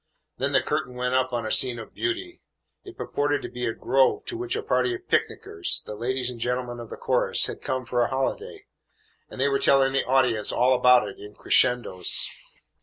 Then the curtain went up on a scene of beauty. It purported to be a grove to which a party of picnickers, the ladies and gentlemen of the chorus, had come for a holiday, and they were telling the audience all about it in crescendos.